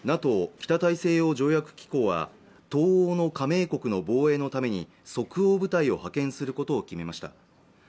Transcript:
ＮＡＴＯ＝北大西洋条約機構は東欧の加盟国の防衛のために即応部隊を派遣することを決めました